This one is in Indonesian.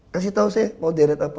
kasih tahu saya mau deret apa